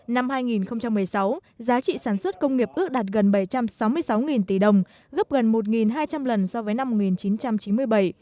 năm hai nghìn một mươi sáu giá trị sản xuất công nghiệp ước đạt gần bảy trăm sáu mươi sáu tỷ đồng gấp gần một hai trăm linh lần so với năm một nghìn chín trăm chín mươi bảy